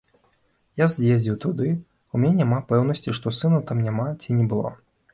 Я з'ездзіў туды, у мяне няма пэўнасці, што сына там няма ці не было.